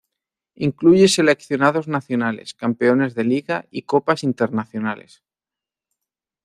Incluye seleccionados nacionales, campeones de liga y copas internacionales